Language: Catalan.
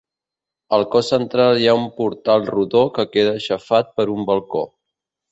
Al cos central hi ha un portal rodó que queda aixafat per un balcó.